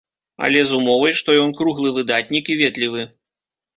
Але з умовай, што ён круглы выдатнік і ветлівы.